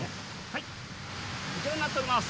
はいこちらになっております。